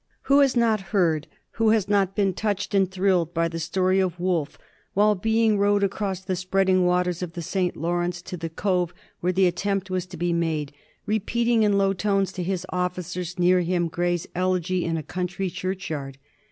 289 Who has not heard — ^who has not been touched and thrilled by the story of Wolfe, while being rowed across the spreading waters of the St. Lawrence to the coye where the attempt was to be made, repeating in low tones to his officers near him Gray's ''Elegy in a Country Church yard